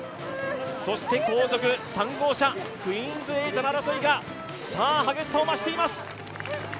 そして後続３号車、クイーンズ８の争いが激しさを増しています。